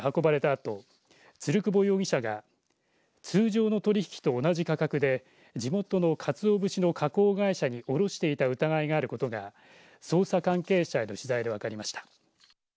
あと鶴窪容疑者が通常の取り引きと同じ価格で地元のかつお節の加工会社に卸していた疑いがあることが捜査関係者への取材で分かりました。